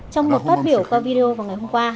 trong một phát biểu qua video vào ngày hôm qua